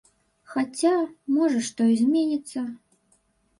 Хаця, можа, што і зменіцца.